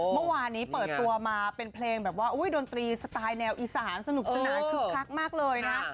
เมื่อวานนี้เปิดตัวมาเป็นเพลงแบบว่าดนตรีสไตล์แนวอีสานสนุกสนานคึกคักมากเลยนะ